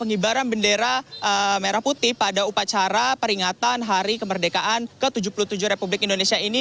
pengibaran bendera merah putih pada upacara peringatan hari kemerdekaan ke tujuh puluh tujuh republik indonesia ini